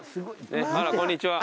あらこんにちは。